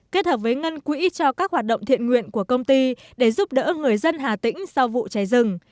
kết hợp với ngân quỹ cho các hoạt động thiện nguyện của công ty để giúp đỡ người dân hà tĩnh sau vụ cháy rừng